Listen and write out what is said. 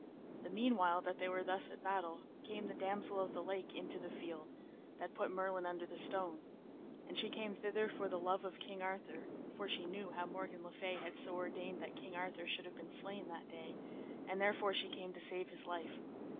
The meanwhile that they were thus at the battle, came the Damosel of the Lake into the field, that put Merlin under the stone; and she came thither for love of King Arthur, for she knew how Morgan le Fay had so ordained that King Arthur should have been slain that day, and therefore she came to save his life.